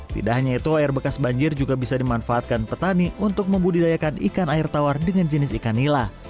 tidak hanya itu air bekas banjir juga bisa dimanfaatkan petani untuk membudidayakan ikan air tawar dengan jenis ikan nila